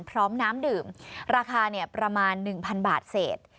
พร้อมน้ำดื่มราคาประมาณ๑๐๐บาทเศษ